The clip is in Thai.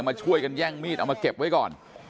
มาช่วยกันแย่งมีดเอามาเก็บไว้ก่อน